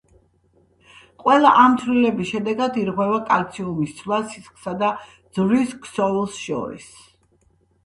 ყველა ამ ცვლილების შედეგად ირღვევა კალციუმის ცვლა სისხლსა და ძვლის ქსოვილს შორის.